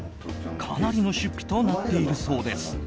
かなりの出費となっているそうです。